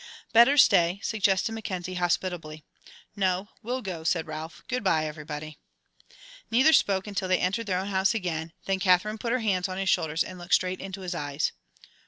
"Better stay," suggested Mackenzie, hospitably. "No, we'll go," said Ralph. "Good bye, everybody." Neither spoke until they entered their own house again, then Katherine put her hands on his shoulders and looked straight into his eyes.